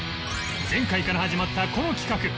前回から始まったこの企画